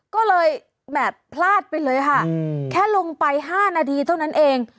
ก็เลยแบบพลาดไปเลยค่ะแค่ลงไป๕นาทีเท่านั้นเอง